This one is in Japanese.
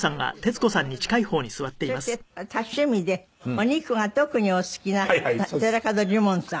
そして多趣味でお肉が特にお好きな寺門ジモンさん。